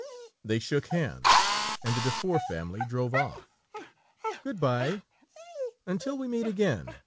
They shook hands, and the Dufour family drove off. "Good bye, until we meet again!"